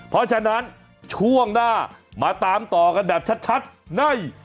เพราะฉะนั้นช่วงหน้ามาตามต่อกันแบบชัดใน